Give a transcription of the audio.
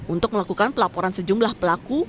untuk melakukan pelaporan sejumlah pelaku